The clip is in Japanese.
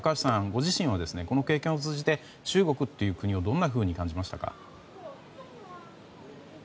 ご自身はこの経験を通じて中国という国をどんなふうに感じましたか？